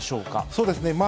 そうですね。